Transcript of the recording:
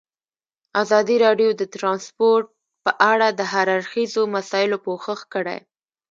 ازادي راډیو د ترانسپورټ په اړه د هر اړخیزو مسایلو پوښښ کړی.